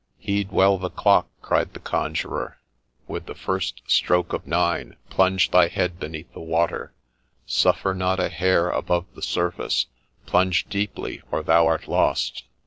' Heed well the clock !' cried the Conjurer :' with the first stroke of Nine plunge thy head beneath the water, suffer not a hair above the surface : plunge deeply, or thou art lost